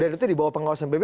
dan itu di bawah pengawasan pbb